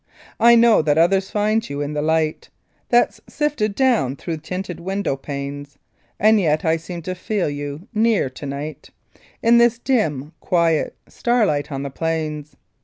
1 know that others find You in the light That's sifted down thro' tinted window panes, And yet I seem to feel You near to night In this dim, quiet starlight on the plains.